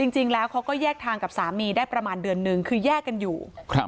จริงแล้วเขาก็แยกทางกับสามีได้ประมาณเดือนนึงคือแยกกันอยู่